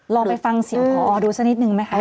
ลองไปฟังศิลป์พอดูสักนิดหนึ่งไหมค่ะ